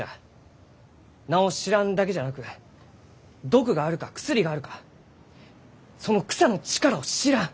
名を知らんだけじゃなく毒があるか薬があるかその草の力を知らん。